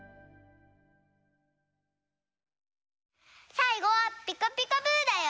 さいごは「ピカピカブ！」だよ。